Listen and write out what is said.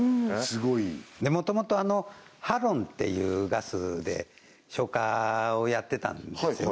すごいもともとハロンっていうガスで消火をやってたんですよ